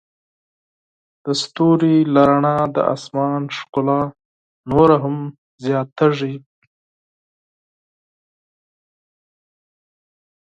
د ستوري له رڼا د آسمان ښکلا نوره هم زیاتیږي.